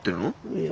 いや。